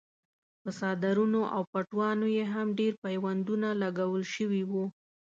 په څادرونو او پټوانو یې هم ډېر پیوندونه لګول شوي وو.